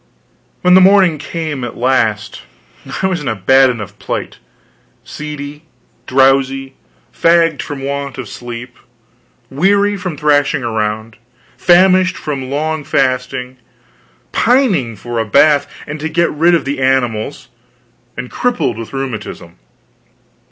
When the morning came at last, I was in a bad enough plight: seedy, drowsy, fagged, from want of sleep; weary from thrashing around, famished from long fasting; pining for a bath, and to get rid of the animals; and crippled with rheumatism.